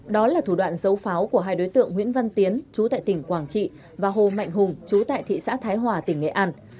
đó là thủ đoạn dấu pháo của hai đối tượng nguyễn văn tiến chú tại tỉnh quảng trị và hồ mạnh hùng chú tại thị xã thái hòa tỉnh nghệ an